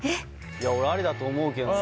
いや俺ありだと思うけどね